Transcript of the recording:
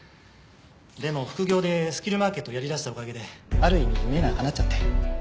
でも副業でスキルマーケットやり出したおかげである意味夢がかなっちゃって。